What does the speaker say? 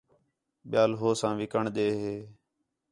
ٻِیال ہو ساں وِکݨ دے ہِے